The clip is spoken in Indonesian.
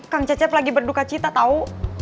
kang cecep lagi berduka cita tahu